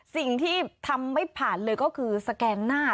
สิ่งที่ทำไม่ผ่านเลยก็คือสแกนหน้า